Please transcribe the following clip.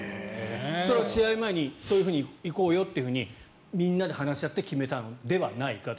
試合前にそう行こうとみんなで話し合って決めたのではないかと。